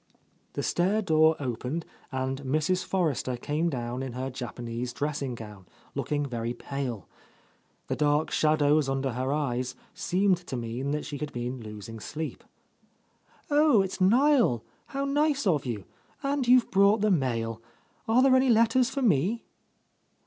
The stair door opened, and Mrs. Forrester came down in her Japanese dressing gown, looking very pale. The dark shadows under her eyes seemed to mean that she had been losing sleep. "Oh, it's Niel! How nice of you. And you've brought the mail. Are there any letters for me?"